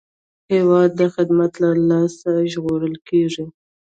هېواد د خدمت له لاسه ژغورل کېږي.